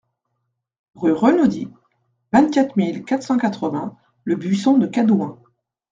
Rue Renaudie, vingt-quatre mille quatre cent quatre-vingts Le Buisson-de-Cadouin